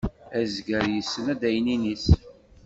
Azger yessen adaynin-is.